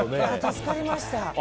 助かりました。